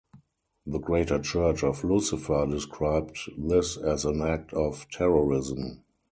The Greater Church of Lucifer described this as an act of terrorism.